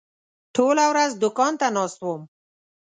ټوله ورځ دوکان ته ناست وم.